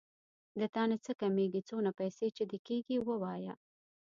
د تانه څه کمېږي څونه پيسې چې دې کېږي ووايه.